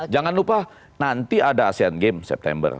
jangan lupa nanti ada asean games september